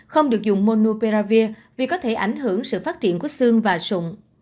không được dùng monopiravir vì có thể ảnh hưởng sự phát triển của xương và sụn